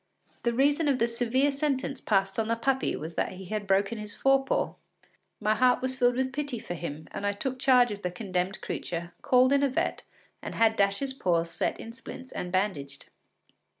The reason of the severe sentence passed on the puppy was that he had broken his fore paw. My heart was filled with pity for him, and I took charge of the condemned creature; called in a vet, and had Dash’s paw set in splints and bandaged.